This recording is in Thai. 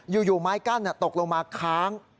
อยู่ไม้กั้นตกลงมาค้าง